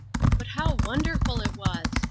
But how wonderful it was !